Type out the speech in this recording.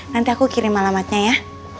nanti aku kirim alamatnya ya